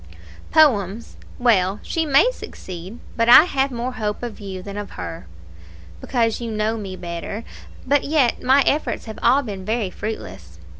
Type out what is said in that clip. "Poems well, she may succeed; but I have more hope of you than of her." "Because you know me better; but yet my efforts have all been very fruitless.